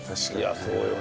そうよね。